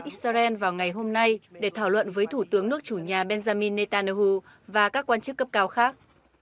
israel vào ngày hôm nay để thảo luận với thủ tướng nước chủ nhà benjamin netanyahu và các quan chức cấp cao khác